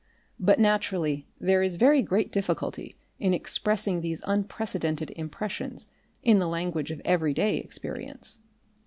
But, naturally, there is a very great difficulty in expressing these unprecedented impressions in the language of everyday experience.